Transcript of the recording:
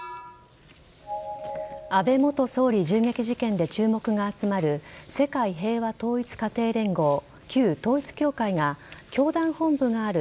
安倍元総理銃撃事件で注目が集まる世界平和統一家庭連合＝旧統一教会が教団本部がある